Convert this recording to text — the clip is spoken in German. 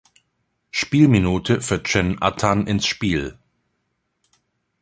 Spielminute für Cem Atan ins Spiel.